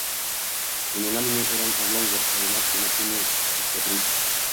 En el anime, eran oblongos, además de que no tiene su cicatriz.